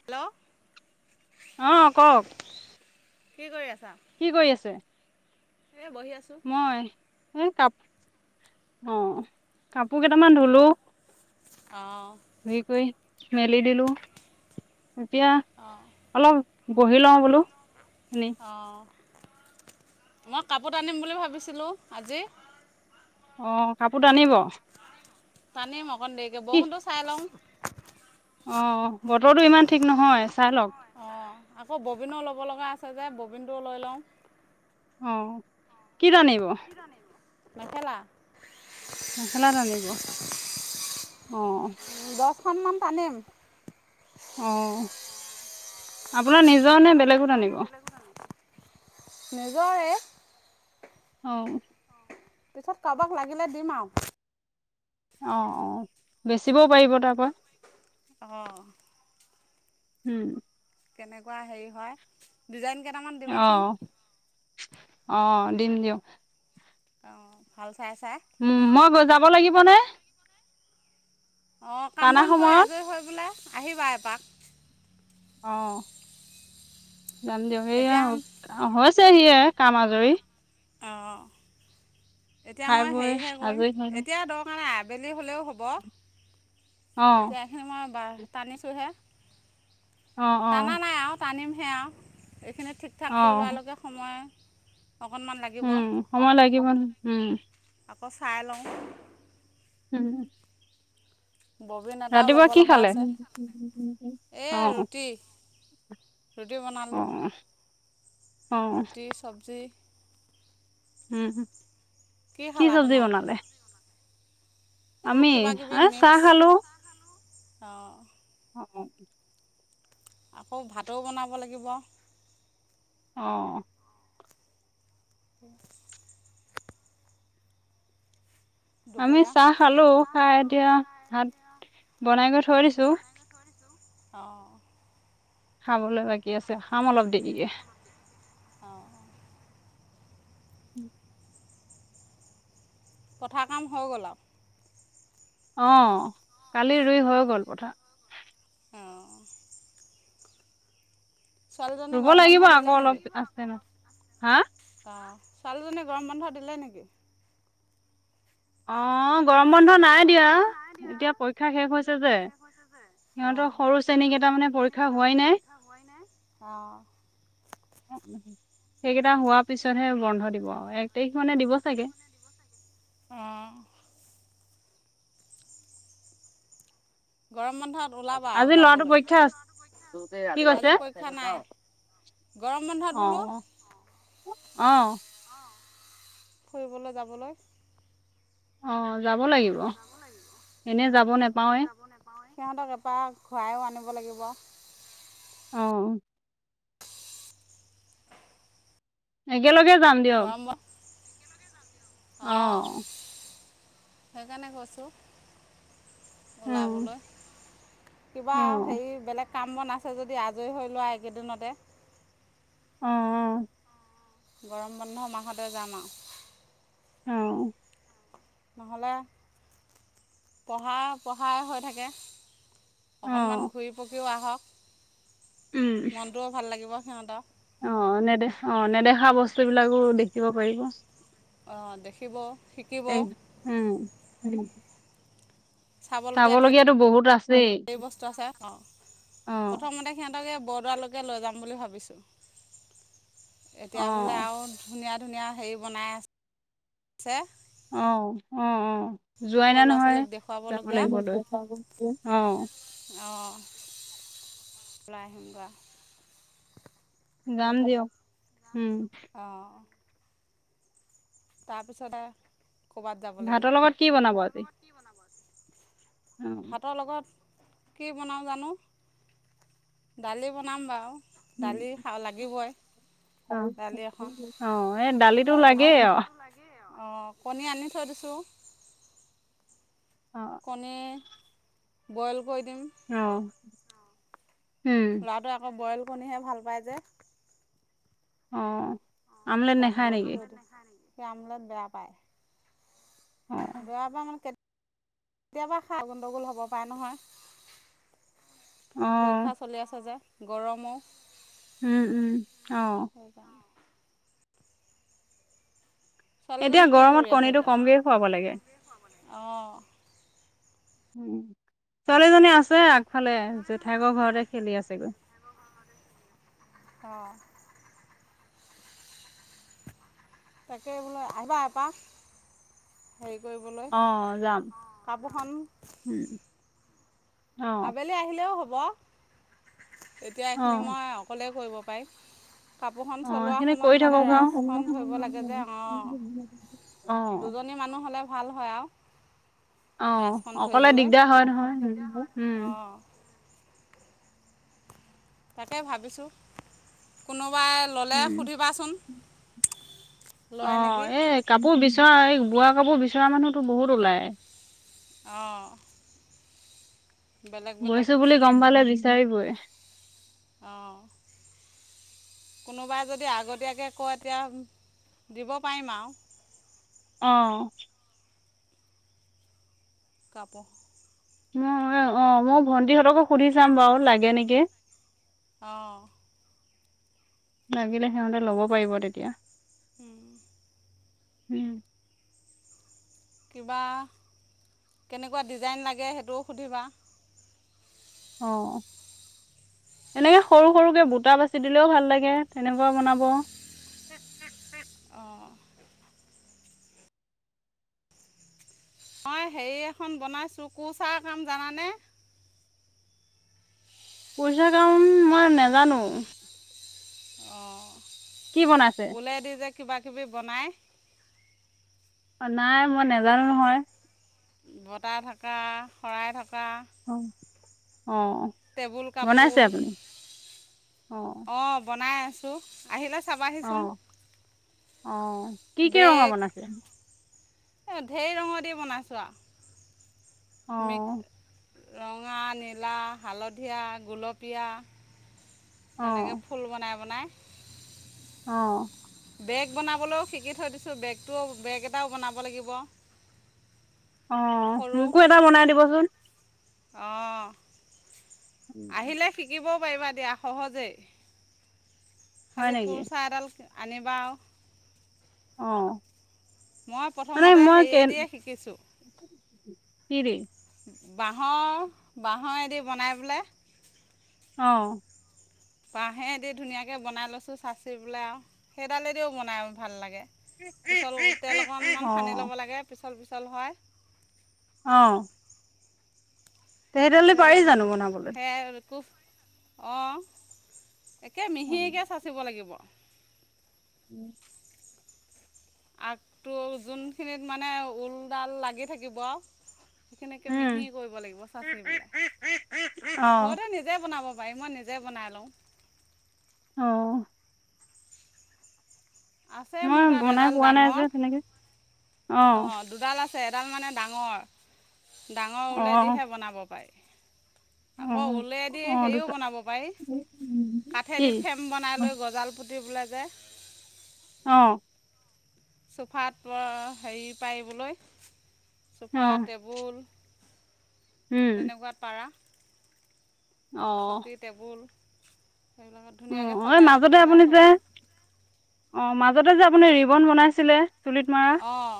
Hello অ কওক। কি কৰি আছা। কি কৰি আছে। এই বহি আছোঁ। মই এ কাপোৰ অ', কাপোৰ কেইটামান ধুলো। অ'। হেৰি কৰি মেলি দিলো। এতিয়া, অলপ বহি লওঁ বোলো। এনেই অ'। মই কাপোৰ আনিম বুলি ভাবিছিলোঁ আজি। অ' কাপোৰটো আনিব। তানী অক অকণ দেৰিকে বৰষুণটো চাই লওঁ। অ'। বতৰটো ইমান ঠিক নহয় চাই লওক। অঁ আকৌ ববিনো ল'ব লগা আছে যে ববিনটোও লৈ লওঁ। অ', কেইটা আনিব। মেখেলা। মেখেলাত আনিব, অ'। দখনমান তানীম। অঁ। আপোনাৰ নিজৰ নে বেলেগৰ আনিব। নিজৰে। অ' পিছত কাৰোবাক লাগিলে দিম আৰু। অ' অ' বেচিবও পাৰিব তাৰপৰা। অঁ। উম্। কেনেকুৱা হেৰি হয় দিজাইন। কেইটামান দিবাচোন। অ' দিম দিয়ক। অ' ভাল। চাই চাই উম মই যাব লাগিব। নে অঁ, কাম বন কৰি সময়ত আজৰি হৈ পেলাই। আহিবা এপাক। অ'। যাম দিয়ক। এইয়া এতিয়া অ' হৈছে। ছেহিয়ে কাম আজৰি। অঁ। এতিয়া খাই মই বৈ হেৰিহে কৰিম, আজৰি হৈ লওঁ। এতিয়া দৰকাৰ নাই। আবেলি হ'লেও হ'ব। অ এতিয়া এখিনি আমাৰ বাৰ টানিছোঁহে অ অ টানা নাই আৰু টানিম। সেয়াও এইখিনি ঠিক ঠাক কৰি অ লোৱালৈকে সময় অকণমান লাগিব উম সময় লাগিব নহয়, উম। আকৌ চাই লওঁ। উম ববিন এটাও ৰাতিপুৱা ল'ব কি লগা খালে। আছে এই অওহ ৰুটি ৰুটি বনালোঁ, অ ৰুটি চবজি। উম উম। কি খালা তোমালোকে? এই আমি, এই চাহ খালো। অহ অঁ আকৌ ভাতো বনাব লাগিব অঁ [inaudible] দুপৰীয়া চাহ আমি খালো খাই চাহ এতিয়া খালো ভাত খাই এতিয়া, কৰি থৈ দিছো বনাই কৰি থৈ দিছোঁ। অঁ খাবলৈ বাকী আছে খাম অলপ দেৰিকে। অঁ উম পথা কাম হৈ গ'ল আও অঁ কালি ৰুই হৈ গ'ল পথাৰ। অঁ ছোৱালীজনী ৰুব গৰম বন্ধ লাগিব দিলে আকৌ নেকি? অলপ আছে ন, হা অঁ ছোৱালীজনী গৰম বন্ধ দিলে নেকি? অঁ গৰম বন্ধ অ নাই গৰম দিয়া। বন্ধ নাই দিয়া পৰীক্ষা শেষ এতিয়া হৈছে যে, পৰীক্ষা শেষ হৈছে যে, সিহঁতৰ অঁ সৰু শ্ৰেণী সিহঁতৰ কেইটা মানে সৰু পৰীক্ষা হোৱাই শ্ৰেণীকেইটামানে নাই। পৰীক্ষা হোৱাই নাই। অঁ সেইকেইটা হোৱা পিছতহে বন্ধ দিব আও, এক তাৰিখ মানে দিব চাগে। অঁ গৰম বন্ধত ওলাবা আৰু আজি লৰাটোৰ যাবলৈ পৰীক্ষা আছে, কি আজি পৰীক্ষা কৈছে, নাই গৰম বন্ধত বোলো অঁ অঁ, অঁ। ফুৰিবলৈ যাবলৈ অঁ যাব লাগিব। যাবলাগিব অ এনে যাব এনে নেপাওৱে। যাব নাপাও সিহঁতক এপাক খুৱাইো আনিব লাগিব আহ এই একেলগে যাম দিয়ক গৰম বন্ধ আহ সেই কাৰণে কছো ওল উম, বলৈ কিবা অ'। হেৰি বেলেগ কাম বন আছে যদি আজৰি হৈ লোৱা এইকেইদিনতে অ, অ, গৰম বন্ধ মাহতে যাম আৰু অ', নহ'লে পঢ়া পঢ়াই হৈ থাকে অকনমান অ' ঘূৰি পকিও আহক। উম, মনটোও ভাল লাগিব। সিহতক অ নেদেখ অ নেদেখা বস্তুবলাকো দেখিব পাৰিব দেখিব শিকিব এই উম চাবলগীয়া চাবলগীয়াতো বহুত আছেই ধেইৰ বস্তু আছে অ অ প্ৰথমতে সিহঁতকে বৰদোৱালৈকে লৈ যাম বুলি ভাবিছোঁ। অ এতিয়া বোলে আৰু ধুনীয়া। ধুনীয়া হেৰি বনাই আছে অ উম উম যোৱাই সৰু না ল'ৰা নহয় ছোৱালীক যাব দেখুৱাবলগীয়া লাগিব লয় লাই হংৰা যাম দিয়ক উম অ তাৰপিছত আৰু ভাতৰ লগত কি বনাব আজি- অ ভাতৰ লগত- কি বনাওঁ জানো দালি বনাম বাৰু- দালি খা লাগিবই অ দালি এখন অ এ দালিতো লাগেও অ অ কণী আনি থৈ দিছোঁ অ কণী, বইল কৰি দিম। অ। উম লৰাটোৱে আকৌ বইল কনিহে ভাল পায় যে অ। আমলেট তাক নাখায় বইল নেকি কৰি আমলেত বেয়া অ পায়। বেয়া পায় মানে কেতি কেতিয়াবা খাই গোণ্ডগোল হ'ব পাৰে নহয়। অ পৰীক্ষা চলি আছে যে। গৰমত। উম, উম। অ সেই কাৰ এতিয়া ছোৱালীজনী কি গৰমত কৰি আছে কণীটো কমকে খুৱাব লাগে এতিয়া? অঁ। উম ছোৱালীজনী আছে। ফালে জেঠাইকৰ ঘৰতে খেলি আছেগৈ। অঁ তাকে বোলো আহিবা এপাক হেৰি কৰিবলৈ অ যাম কাপোৰখন উম অ আবেলি আহিলেও হ'ব। ৱাহ। এতিয়া অ এইখিনি মই অকলেই কৰিব পাৰোঁ। ফাইভ কাপোৰখন অ চলোৱাৰ সেইখিনি কৰি সময়ত মানে থাকক আৰু ৰাজখন ধৰিব লাগে যে অ অঁ দুজনী মানুহ হ'লে ভাল হয় আৰু অ ৰাজখন অকলে ধৰিবলৈ দিগদাৰ হয় নহয়। উম অঁ তাকে ভাবিছো কোনো উম লয় নেকি আহ এই কাপোৰ বিচৰা এই বোৱা কাপোৰ বিচৰা মানুহতো বহুত ওলায়। অঁ। বেলেগ বেলেগ বৈছো বুলি গম পালে দিছ। বিচাৰিবই। অঁ কোনোবাই যদি আগতীয়াকৈ কয় এ তেতিয়া দিব পাৰিম আৰু আহ কাপোৰ ম অ মই ভন্টিহঁতকো সুধি চাম বাও লাগে নেকি? অঁ। লাগিলে সিহঁতে ল'ব পাৰিব তেতিয়া। উম [inaudible] উম। কিবা কেনেকুৱা ডিজাইন লাগে সেইটোও সুধিবা। অ এনেকে সৰু সৰুকে বুটা বাচি দিলেও ভাল লাগে তেনেকুৱা বনাব। অঁ। মই হেৰি এখন বনাইছোঁ, কোচা কাম জানানে? পইচা কাম মই নাজানো। অঁ। বনাইছে উওলাই দি যে কিবা। বি বনায়। অ নাই মই নেজানো নহয়। বতাহ থকা, শৰাই থক। কা। অ' অ' টেবুল কাপোৰ, বনাইছে আপুনি? অ' অঁ বনাই। চু আহিলে চাবাহি চোন। অ' অ। কি কি ৰঙ বনাইছে? এই ঢেৰ ৰঙৰ দি বনাইছোঁ আও। ম অ' [inaudible] ৰঙা, নীলা, হালধীয়া, গোলপীয়া। তেনেকে অ' ফুল বনাই বনাই। অ। বেগ বনাবলৈও শিকি থৈ দিছোঁ বেগটোও বেগ এটাও বনাব লাগিব। অ সৰু মোকো এটা বনাই দিবচোন। অঁ। আহিলে শিকিব। ক পাৰিবা দিয়া সহজে। হয় খালি নেকি? কল চা এডাল আনিবা আও। অ। মই মানে প্ৰথমতে মই কে সেইয়ে দিয়ে শিকিছোঁ। কি দি? বাঁহৰ বাঁহৰ এদি বনাই বোলে। অঁ। বাঁহে দি ধুনীয়াকে বনাই লৈছোঁ চাইচি বোলে আও। সেইডালেদিও বনাই ভাল লাগে। পিছল তেল অকনমান সানি অ' ল'ব লাগে, পিছল পিছ চলহায় আহ তেেতিয়াহ'লে পাৰি জানো বনাবলৈ কুফ অঁ একে উম, মিহিকে চাচিব লাগিব উম আগটো যোনখিনিত মানে ঊলডাল লাগি থাকিব সেইখিনিকে মিহি কৰিব লাগিব চাচি বোলে অ' ঘৰতে নিজে বনাব বাৰু মই নিজে বনাই লওঁ আহ আছে ম মোৰ তাত বনাই এডাল পোৱা নাই আ ডাঙৰ যে তেনেকে অ অঁ দুডাল আছে এডাল মানে ডাঙৰ ডাঙৰ অ' ওলেদিহে বনাব পাৰি আকৌ অ' ঊলেডী অ' হেৰিও দুটা বনাব পাৰি, কি? কাঠেদি ফ্ৰেম্ বনাই লৈ গজাল পুট [inaudible] অ। চোফাত প-হেৰি পাৰিবলৈ। চোফা, অ', টেবুল। উম, তেনেকুৱাত পাৰা। চকী, টেবুল। সেইবিলাকত ধুনীয়াকৈ অ', অ', সজাই মাজতে সজাই আপুনি যে, থ'বলৈ অ', মাজ য'তে যে আপুনি ৰিবন বনাইছিলে। চুলিত মৰা, অঁ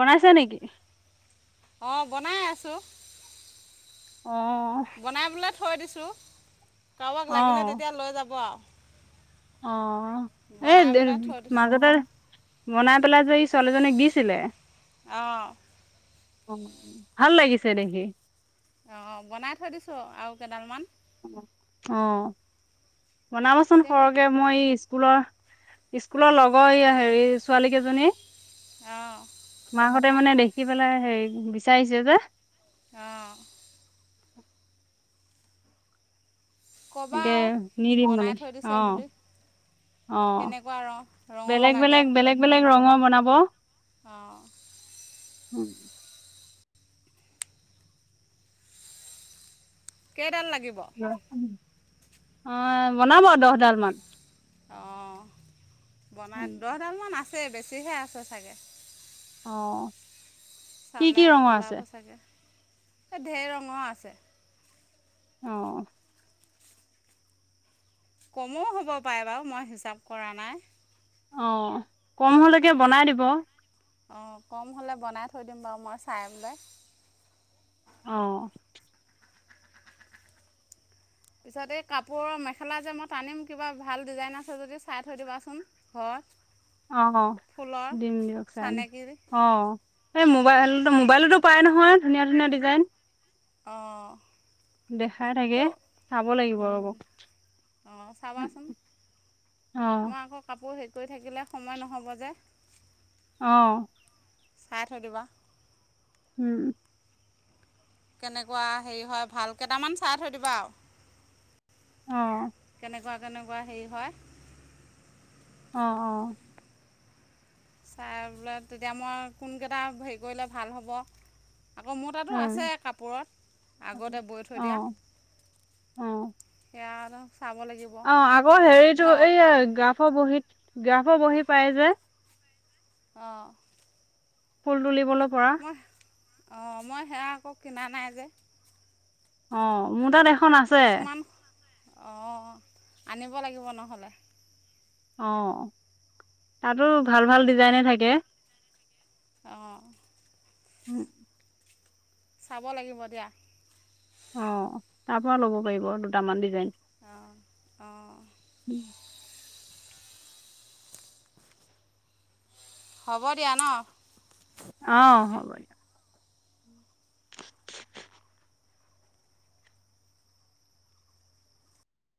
বনাইছ ছে নেকি?। অ', বনাই আছো। অ', বনাই পেলাই থৈ থৈ দিছোঁ। কাৰোবাক লাগিলে অ', তেতিয়া লৈ যাব আৰু। অ', এই বনাই পেলাই থৈ দিছোঁ দে-মাজতে বনাই পেলাই যে এই ছোৱালীজনীক দিছিলে। অ। [inaudible] ভাল লাগিছে দেখি। অ', বনাই থৈ দিছো আৰু কেইডালমান। অ। বনাবাচোন কেতিয়াবা সৰহকে মই এই স্ক স্কুলৰ, স্কুলৰ লগৰ এইয়া হেৰি ছোৱালী কেইজনী। অ। ততে মানে দেখি পেলাই হেৰি বিচাৰিছে যে, অ। [inaudible] ক'বা একে আৰু নি দিম বনাই মানে। থৈ দিছে অ', বুলি অ', কেনেকুৱা ৰং ৰঙৰ বেলেগ-বেলেগ-বেলেগ-বেলেগ ৰঙৰ বনাব ব অ। উম। [unintelligible] কেই ডাল লাগ [unintelligible] অ', বনাব দহডাল মান। অ। বনাম, দহ ডাল মান আছ বেছিহে আছে চাগে। অঁ চালে ওলাব ছাগে। ধেৰ ৰঙৰ আছে। অ কমও হ'ব পাৰে বাৰু মই হিচাপ কৰা নাই। অ কম হলেকে বনাই দিব। অঁ কম হ'লে বনাই থৈ দিম বাৰু মই চাই পেলাই। অ পিছত এই কাপোৰৰ মেখেলা যে মই টানিম কিবা ভাল ডিজাইন আছে যদি চাই থৈ দিবাচোন ঘৰত। অ ফুলৰ দিম দিয়ক চাই ম চানেকিৰ অ এই ম মোবাইলো মোবাইলতো পায় নহয় ধুনীয়া ধুনীয়া ডিজাইন। আহঁ। দেখাই থাকে চাব লাগিব ৰব, অঁ চাবাচোন অ মই আকৌ কাপোৰ হেৰি কৰি থাকিলে সময় নহ'ব যে। অঁহ। ছাই থৈ দিবা। উম। কেনেকুৱা হেৰি হয় ভাল কেইটামান চাই থৈ দিবা আও। কেনেক অ' কেনেকোৱা কেনেকুৱা হেৰি হয়। অঁ অঁ চাই বোলে তেতিয়া মই কোনকেইটা হেৰি কৰিলে ভাল হ'ব। আকৌ মোৰ তাতো আছে উম। কাপোৰত। আগতে বৈ থৈ দিয়া। অ' অ' সেয়া অফ [unintelligible] অ আগৰ হেৰিটো এই গ্ৰাফৰ বহী গ্ৰাফৰ বহি পায় যে অ' ফুল তুলিব পৰা অ' মই সেয়া আকৌ কিনা নাই যে অ মোৰ তাত দেখ খন আছে অ' আনিব লাগিব নহ'লে। অ' তাতো ভাল-ভাল ডিজাইনে থাকে। আহ [inaudible] চাব লাগিব দিয়া অ' তাৰ পৰা ল'ব পাৰিব দুটামান ডিজাইন। [inaudible] অঁ অঁ হ'ব দিয়া ন? আহ হ'ব দি